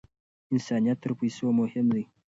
انسانیت تر پیسو مهم دی.